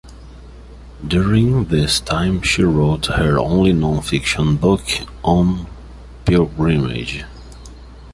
During this time she wrote her only non-fiction book, "On Pilgrimage".